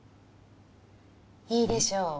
いいでしょ？